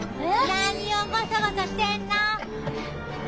何をごそごそしてんの？